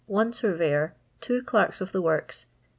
1 Sur> eyor. 2 Clerks of the Works.